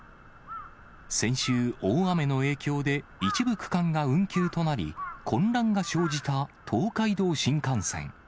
先週、大雨の影響で一部区間が運休となり、混乱が生じた東海道新幹線。